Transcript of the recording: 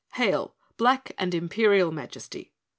"Hail! Black and Imperial Majesty!"